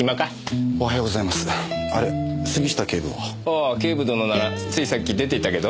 ああ警部殿ならついさっき出ていったけど。